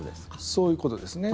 そういうことですね。